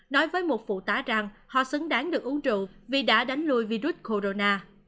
nói với một phụ tá rằng họ xứng đáng được uống rượu vì đã đánh lùi virus corona